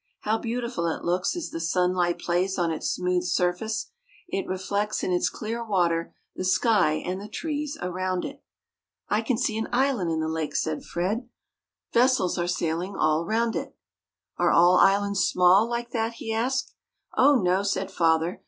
"How beautiful it looks as the sunlight plays on its smooth surface! It reflects in its clear water the sky and the trees around it." "I can see an island in the lake," said Fred. "Vessels are sailing all round it." "Are all islands small, like that?" he asked. "Oh, no!" said father.